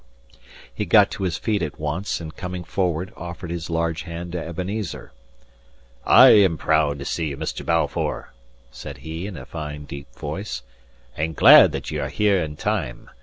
He got to his feet at once, and coming forward, offered his large hand to Ebenezer. "I am proud to see you, Mr. Balfour," said he, in a fine deep voice, "and glad that ye are here in time.